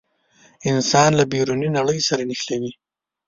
انسان له بیروني نړۍ سره نښلوي.